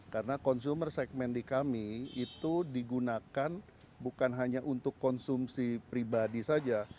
karena consumer segmen di kami itu digunakan bukan hanya untuk konsumsi pribadi saja